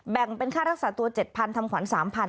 แบ่งเป็นค่ารักษาตัว๗๐๐ทำขวัญ๓๐๐๐